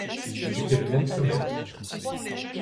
C'était le même sommeil.